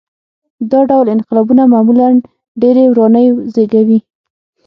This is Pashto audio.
دا ډول انقلابونه معمولاً ډېرې ورانۍ زېږوي.